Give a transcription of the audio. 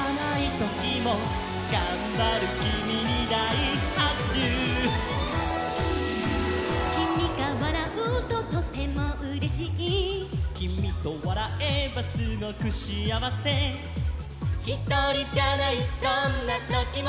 「がんばるキミにだいはくしゅ」「キミがわらうととてもうれしい」「キミとわらえばすごくしあわせ」「ひとりじゃないどんなときも」